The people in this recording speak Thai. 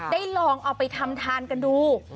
ได้ลองเอาไปทำทานกันดู